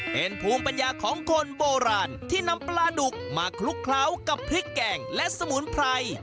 เป็นภูมิปัญญาของคนโบราณที่นำปลาดุกมาคลุกเคล้ากับพริกแกงและสมุนไพร